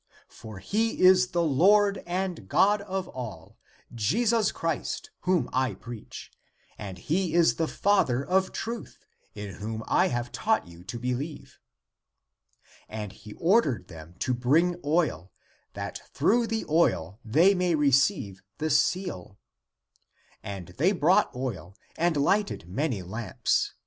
For he is the Lord and God of all, Jesus Christ, whom I preach, and he is the Father of truth, in whom I have taught you to believe." And he ordered them to bring oil, that through the oil they might receive the seal. And they brought oil and lighted many lamps.